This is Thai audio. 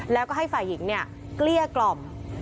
แล้วก็ให้ฝ่ายหญิงเนี่ยเกลี้ยกล่อม